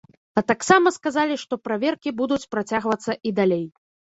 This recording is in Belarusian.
А таксама сказалі, што праверкі будуць працягвацца і далей.